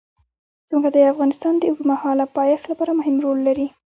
ځمکه د افغانستان د اوږدمهاله پایښت لپاره مهم رول لري.